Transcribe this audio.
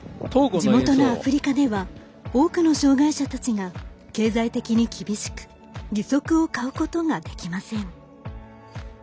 地元のアフリカでは多くの障がい者たちが経済的に厳しく義足を買うことができません。